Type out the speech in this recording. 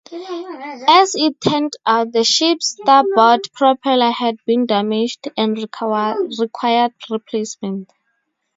As it turned out, the ship's starboard propeller had been damaged and required replacement.